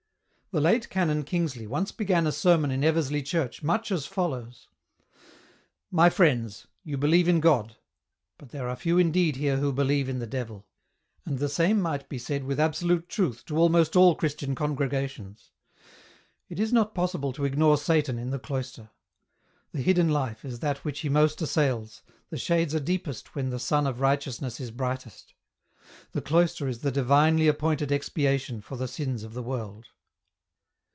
The late Canon Kingsley once began a sermon in Eversiey Church much as follows :" My fi iends, you believe translator's note. xi in God, but there are few indeed here who believe in the Devil," and the same might be said with absolute truth to almost all Christian congregations. It is not possible to ignore Satan in the Cloister. The hidden life is that which he most assails, the shades are deepest when the sun of righteousness is brightest. The cloister is the divinely appointed expiation for the sins of the world.